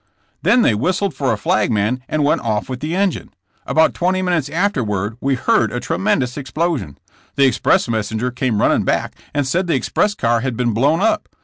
''Then they whistled for a flagman and went off with the engine. About twenty minutes afterward we heard a tremendous explosion. The express mes senger came running back and said the express car had been blown up.